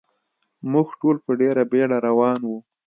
موږ ټول په ډېره بېړه روان و.